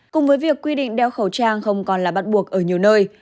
cùng với việc quy định đeo khẩu trang không còn là bắt buộc ở nhiều nơi